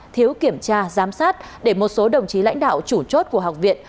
thiếu kiểm tra giám sát để một số đồng chí lãnh đạo chủ chốt của học viện